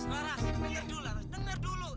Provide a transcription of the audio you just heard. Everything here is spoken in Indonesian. laras laras denger dulu